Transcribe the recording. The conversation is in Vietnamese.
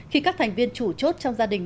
khi các thành viên chủ chốt trong gia đình